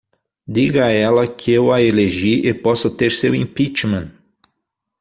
Diga a ela que eu a elegi e posso ter seu impeachment!